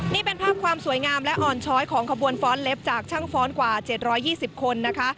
นี่เป็นภาพความสวยงามและอ่อนช้อยของขบวนฟ้อนเล็บจากช่างฟ้อนกว่า๗๒๐คนนะคะ